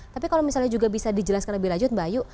tapi kalau misalnya juga bisa dijelaskan lebih lanjut mbak ayu